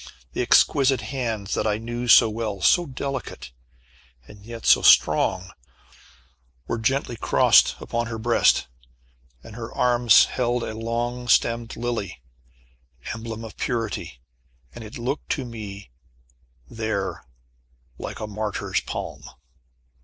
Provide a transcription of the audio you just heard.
The exquisite hands that I knew so well so delicate, and yet so strong were gently crossed upon her breast, and her arms held a long stemmed lily, emblem of purity, and it looked to me there like a martyr's palm.